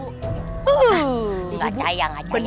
buuh nggak percaya nggak percaya